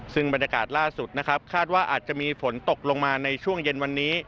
ซึ่งบรรยากาศล่าสุดนะครับคาดว่าอาจจะมีฝนตกลงมาในช่วงเย็นวันนี้